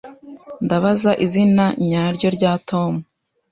Ndabaza izina nyaryo rya Tom.